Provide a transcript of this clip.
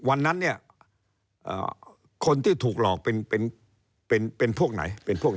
วันนั้นเนี่ยคนที่ถูกหลอกเป็นพวกไหน